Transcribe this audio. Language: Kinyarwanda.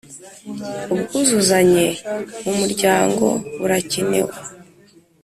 ubwuzuzanye mu muryango.burakenewe